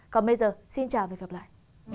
còn bây giờ xin chào và hẹn gặp lại